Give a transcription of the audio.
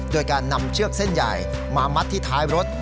โดยการนำเชือกเส้นใหญ่มามัดที่ท้ายรถ